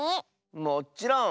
もっちろん！